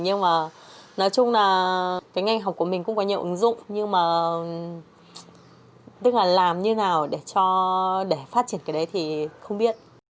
nhưng mà nói chung là cái ngành học của mình cũng có nhiều ứng dụng nhưng mà tức là làm như nào để phát triển cái đấy thì không biết